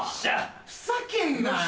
ふざけんなよ！